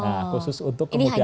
nah khusus untuk kemudian